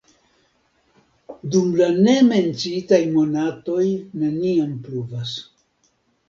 Dum la ne menciitaj monatoj neniam pluvas.